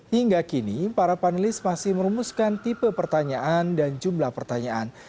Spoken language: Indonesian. hingga kini para panelis masih merumuskan tipe pertanyaan dan jumlah pertanyaan